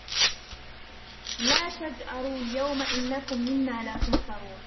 لَا تَجْأَرُوا الْيَوْمَ إِنَّكُمْ مِنَّا لَا تُنْصَرُونَ